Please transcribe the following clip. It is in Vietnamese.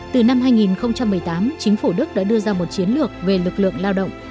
từ năm hai nghìn một mươi tám chính phủ đức đã đưa ra một chiến lược về lực lượng lao động